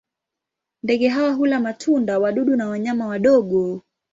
Ndege hawa hula matunda, wadudu na wanyama wadogo.